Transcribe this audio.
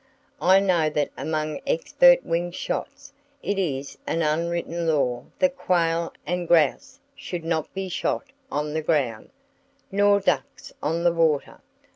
I know that among expert wing shots it is an unwritten law that quail and grouse must not be shot on the ground, nor ducks on the water.